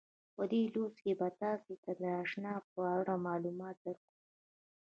په دې لوست کې به تاسې ته د انشأ په اړه معلومات درکړو.